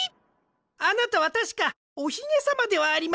あなたはたしかおひげさまではありませんか！